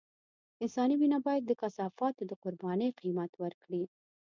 انساني وينه بايد د کثافاتو د قربانۍ قيمت ورکړي.